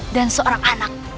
dan seorang anak